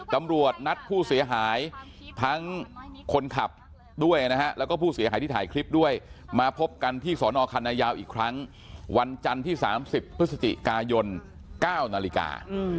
ตำรวจนัดผู้เสียหายทั้งคนขับด้วยนะฮะแล้วก็ผู้เสียหายที่ถ่ายคลิปด้วยมาพบกันที่สอนอคันนายาวอีกครั้งวันจันทร์ที่๓๐พฤศจิกายน๙นาฬิกา